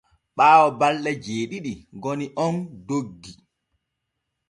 Ɓaawo balɗe jeeɗiɗi goni on doggi.